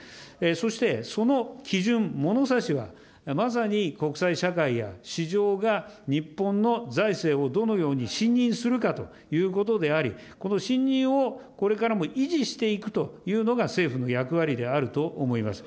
そして、その基準、物差しは、まさに国際社会や市場が日本の財政をどのように信認するかということであり、この信任をこれからも維持していくというのが、政府の役割であると思います。